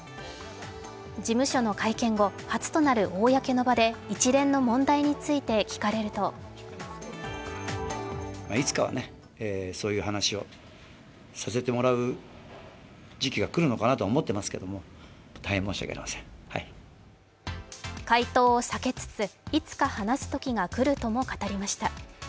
事務所の会見後初となる公の場で一連の問題について聞かれると回答を避けつつ、いつか話すときがくるとも語りました。